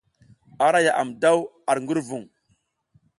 Ara yaʼam daw ar ngurvung.